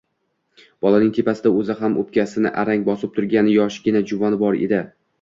Bolaning tepasida o‘zi ham o‘pkasini arang bosib turgan yoshgina juvon bor edi.